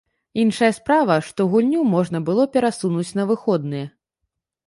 Іншая справа, што гульню можна было перасунуць на выходныя.